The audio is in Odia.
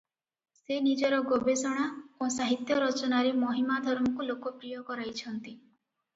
ସେ ନିଜର ଗବେଷଣା ଓ ସାହିତ୍ୟ ରଚନାରେ ମହିମା ଧର୍ମକୁ ଲୋକପ୍ରିୟ କରାଇଛନ୍ତି ।